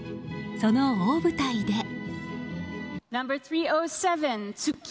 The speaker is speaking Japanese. その大舞台で。